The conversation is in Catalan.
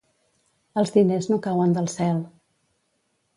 Els diners no cauen del cel.